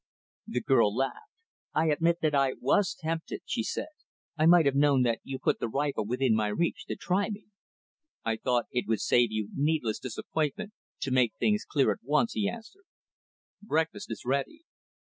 The girl laughed. "I admit that I was tempted," she said. "I might have known that you put the rifle within my reach to try me." "I thought it would save you needless disappointment to make things clear at once," he answered. "Breakfast is ready."